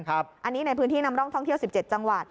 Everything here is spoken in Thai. อันนี้ในพื้นที่นำร่องท่องเที่ยว๑๗จังหวัด